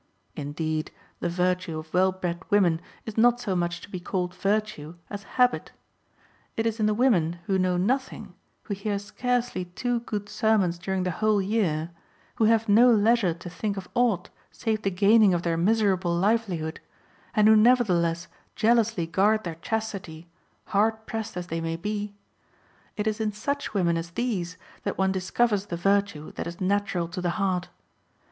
Indeed, the virtue of well bred women is not so much to be called virtue as habit. It is in the women who know nothing, who hear scarcely two good sermons during the whole year, who have no leisure to think of aught save the gaining of their miserable livelihood, and who nevertheless jealously guard their chastity, hard pressed as they may be (8) it is in such women as these that one discovers the virtue that is natural to the heart.